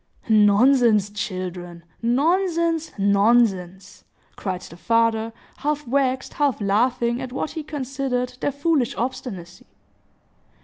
"Nonsense, children, nonsense, nonsense!" cried the father, half vexed, half laughing at what he considered their foolish obstinacy.